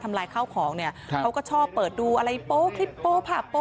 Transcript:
ลายข้าวของเนี่ยเขาก็ชอบเปิดดูอะไรโป๊คลิปโป๊ภาพโป๊